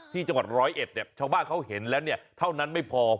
ที่จังหวัดร้อยเอ็ดเนี่ยชาวบ้านเขาเห็นแล้วเนี่ยเท่านั้นไม่พอ